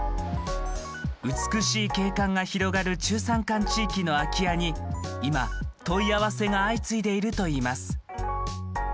美しい景観が広がる中山間地域の空き家に今、問い合わせが相次いでいるといいます。